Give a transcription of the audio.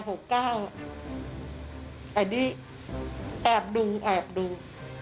แต่นี่แอบดูแอบดู